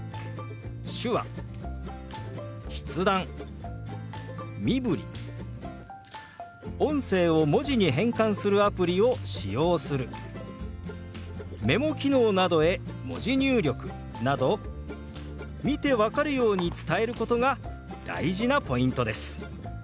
手話筆談身振り音声を文字に変換するアプリを使用するメモ機能などへ文字入力など見て分かるように伝えることが大事なポイントです。